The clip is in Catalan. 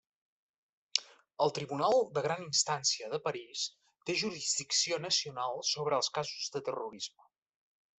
El Tribunal de Gran Instància de París té jurisdicció nacional sobre els casos de terrorisme.